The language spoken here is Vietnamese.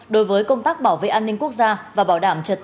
bốn đối với công tác bảo vệ an ninh quốc gia và bảo đảm chiến lược